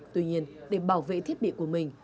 tuy nhiên để bảo vệ thiết bị của mình